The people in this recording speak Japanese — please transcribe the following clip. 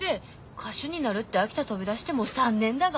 歌手になるって秋田飛び出してもう３年だが。